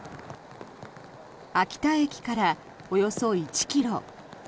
秋田駅からおよそ１ｋｍ。